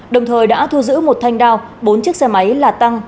đồng thời đã thu giữ một thanh đao bốn chiếc xe máy là tăng